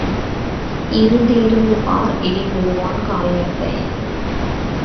இருந்து இருந்து பார், இடி விழுவான் காரியத்தை.